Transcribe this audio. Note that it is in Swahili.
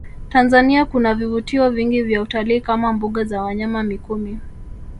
Tanzania kuna vivutio vingi vya utalii kama mbuga za wanyama mikumi